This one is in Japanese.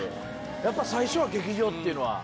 やっぱり最初は劇場っていうのは。